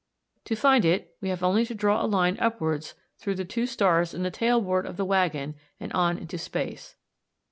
To find it we have only to draw a line upwards through the two stars in the tailboard of the waggon and on into space.